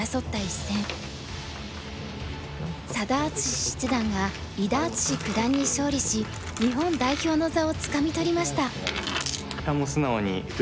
佐田篤史七段が伊田篤史九段に勝利し日本代表の座をつかみ取りました。